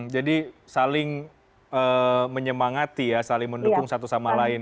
jadi saling menyemangati ya saling mendukung satu sama lain